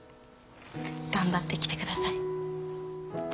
頑張ってきてください。